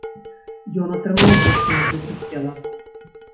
Ён атрымаў моцныя апёкі цела.